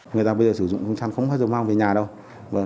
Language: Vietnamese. người ta bây giờ sử dụng súng săn không có thể mang về nhà đâu